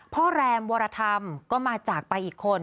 แรมวรธรรมก็มาจากไปอีกคน